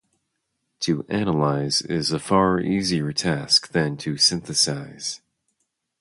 To analyze is a far easier task than to synthesize.